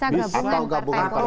bisa gabungan partai politik